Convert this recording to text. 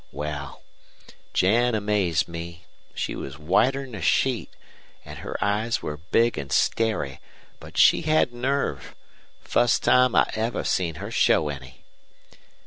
"Wal, Jen amazed me. She was whiter'n a sheet, an' her eyes were big and stary, but she had nerve. Fust time I ever seen her show any.